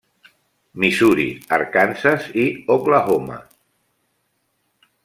Missouri, Arkansas i Oklahoma.